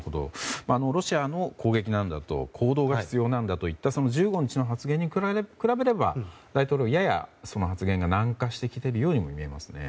ロシアの攻撃なんだと行動が必要なんだといったその１５日の発言と比べれば大統領は、ややその発言が軟化してきているようにも見えますね。